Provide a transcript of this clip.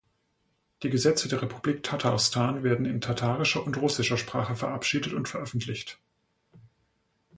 Die Gesetze der Republik Tatarstan werden in tatarischer und russischer Sprache verabschiedet und veröffentlicht.